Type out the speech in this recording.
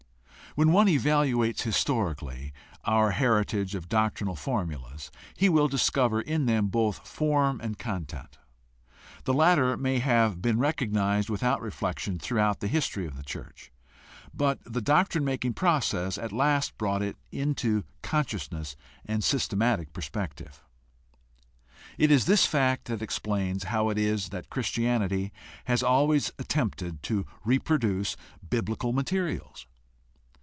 When one evaluates historically our heritage of doctrinal formulas, he will discover in them both form and content. The latter may have been recognized without reflection throughout the history of the church, but the doctrine making process at last brought it into consciousness and sys tematic perspective. It is this fact that explains how it is that Christianity has always attempted to reproduce biblical materials.